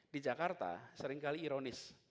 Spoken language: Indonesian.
di jakarta sering kali ironis